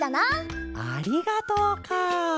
「ありがとう」かあ！